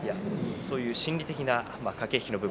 そういう心理的な駆け引きの部分